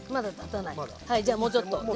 じゃあもうちょっとね。